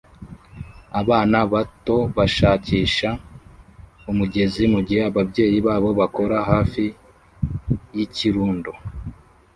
Abana bato bashakisha umugezi mugihe ababyeyi babo bakora hafi yikirundo